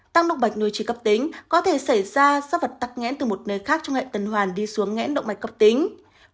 tăng động mạch nồi trí cấp tính có thể xảy ra do vật tắc nghẽn từ một nơi khác trong hệ tần hoàn đi xuống ngẽn động mạch cấp tính